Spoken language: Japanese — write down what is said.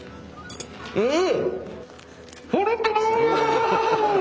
うん！